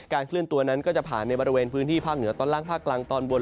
เคลื่อนตัวนั้นก็จะผ่านในบริเวณพื้นที่ภาคเหนือตอนล่างภาคกลางตอนบน